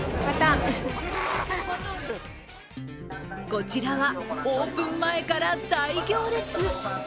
こちらは、オープン前から大行列。